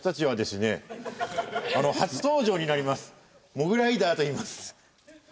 モグライダーといいます。